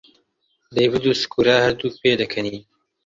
دەیڤد و سکورا هەردووک پێدەکەنین.